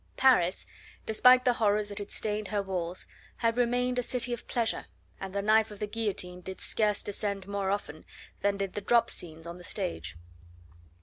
Paris despite the horrors that had stained her walls had remained a city of pleasure, and the knife of the guillotine did scarce descend more often than did the drop scenes on the stage.